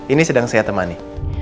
ini sedang saya temani